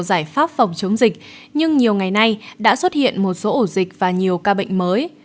giải pháp phòng chống dịch nhưng nhiều ngày nay đã xuất hiện một số ổ dịch và nhiều ca bệnh mới